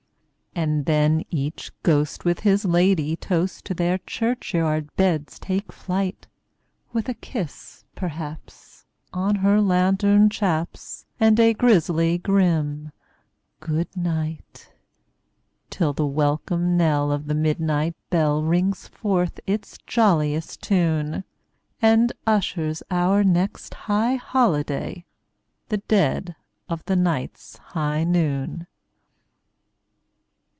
And then each ghost with his ladye toast to their churchyard beds take flight, With a kiss, perhaps, on her lantern chaps, and a grisly grim "good night"; Till the welcome knell of the midnight bell rings forth its jolliest tune, And ushers our next high holiday—the dead of the night's high noon!